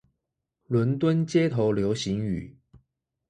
倫敦街頭流行語